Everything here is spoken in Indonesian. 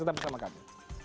tetap bersama kami